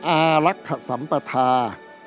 อารักษสัมปทา